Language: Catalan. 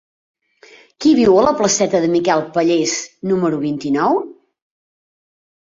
Qui viu a la placeta de Miquel Pallés número vint-i-nou?